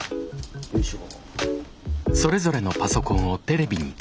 よいしょ。